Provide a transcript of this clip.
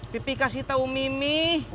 pipih kasih tahu mimi